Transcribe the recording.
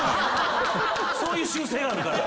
そういう習性あるから。